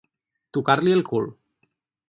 Tocar-li el cul.